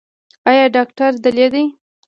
ایا ډاکټر دلې دی؟